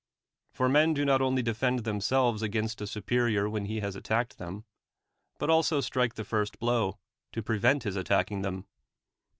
For men do not only defend themselves against a superior when he has attacked them, but also 'tril^e the first blow, to prevent his attacking ihcm.